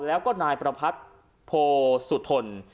แล้วก็นายประพัทธ์โพสุธน